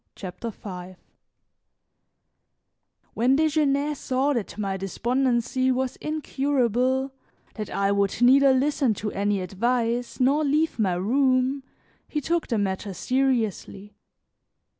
CHAPTER V WHEN Desgenais saw that my despondency was incurable, that I would neither listen to any advice nor leave my room, he took the matter seriously.